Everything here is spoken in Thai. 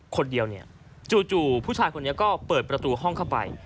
คนเดียวเนี่ยจู่ผู้ชายคนนี้ก็เปิดประตูห้องเข้าไป